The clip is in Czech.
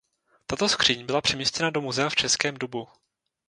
Tato skříň byla přemístěna do muzea v Českém Dubu.